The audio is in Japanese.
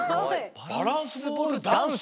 バランスボールダンス？